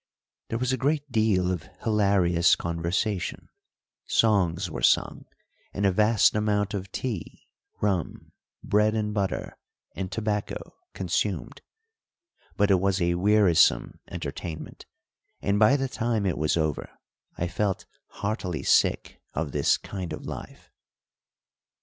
There was a great deal of hilarious conversation; songs were sung, and a vast amount of tea, rum, bread and butter, and tobacco consumed; but it was a wearisome entertainment, and by the time it was over I felt heartily sick of this kind of life.